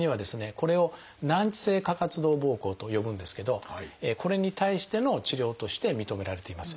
これを「難治性過活動ぼうこう」と呼ぶんですけどこれに対しての治療として認められています。